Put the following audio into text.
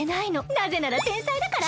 なぜなら天才だから？